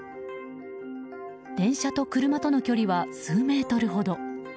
電車と車との距離は数メートルほど。